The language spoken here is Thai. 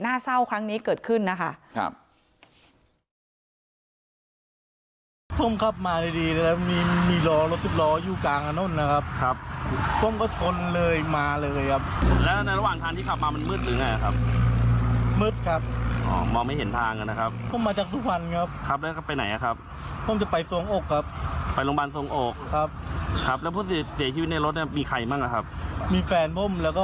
หน้าเศร้าครั้งนี้เกิดขึ้นนะคะครับ